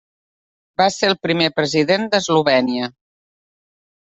Va ser el primer President d'Eslovènia.